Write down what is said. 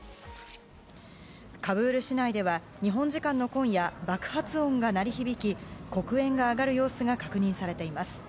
カブール市内では日本時間の今夜爆発音が鳴り響き黒煙が上がる様子が確認されています。